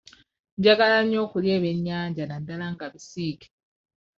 Njagala nnyo okulya ebyennyanja naddala nga bisiike.